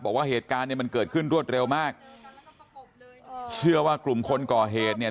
บอกว่าเหตุการณ์เนี่ยมันเกิดขึ้นรวดเร็วมากเชื่อว่ากลุ่มคนก่อเหตุเนี่ย